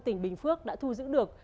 tỉnh bình phước đã thu giữ được